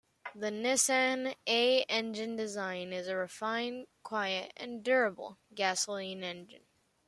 The Nissan A engine design is a refined, quiet and durable gasoline engine.